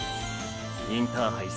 インターハイ